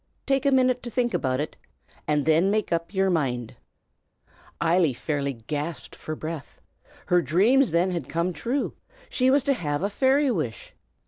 Take a minute to think about it, and then make up yer mind." Eily fairly gasped for breath. Her dreams had then come true; she was to have a fairy wish!